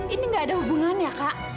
ini gak ada hubungannya kak